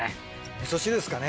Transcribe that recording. みそ汁ですかね。